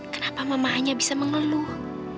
kenapa mama hanya bisa mengeluh